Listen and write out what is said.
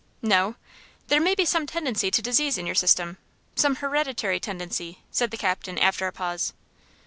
"No." "There may be some tendency to disease in your system some hereditary tendency," said the captain, after a pause.